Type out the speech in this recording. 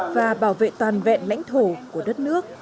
và bảo vệ toàn vẹn lãnh thổ của đất nước